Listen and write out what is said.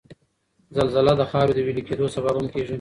زلزله د د خاورو د ویلي کېدو سبب هم کیږي